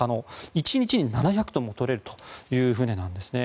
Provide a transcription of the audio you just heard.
１日に７００トンも取れるという船なんですね。